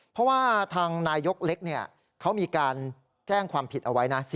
เพราะว่าทางนายยกเล็กเขามีการแจ้งความผิดเอาไว้นะ